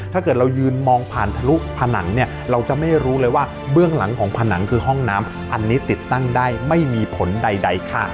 ถ้าเกิดเรายืนมองผ่านทะลุผนังเนี่ยเราจะไม่รู้เลยว่าเบื้องหลังของผนังคือห้องน้ำอันนี้ติดตั้งได้ไม่มีผลใดค่ะ